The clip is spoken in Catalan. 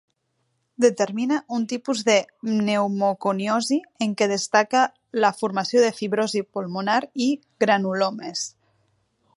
Determina un tipus de pneumoconiosi en què destaca la formació de fibrosi pulmonar i granulomes.